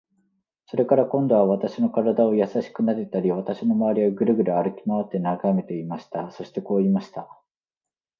それから、今度は私の身体をやさしくなでたり、私のまわりをぐるぐる歩きまわって眺めていました。そしてこう言いました。